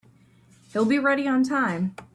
He'll be ready on time.